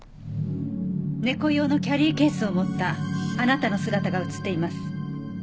猫用のキャリーケースを持ったあなたの姿が映っています。